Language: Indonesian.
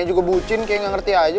juga bucin kayak ngerti aja